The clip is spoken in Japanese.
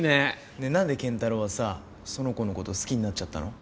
ねえなんで健太郎はさその子のことを好きになっちゃったの？